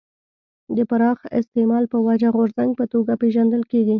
د پراخ استعمال په وجه غورځنګ په توګه پېژندل کېږي.